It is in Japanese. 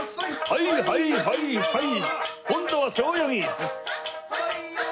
はいはいはいはい今度は背泳ぎ！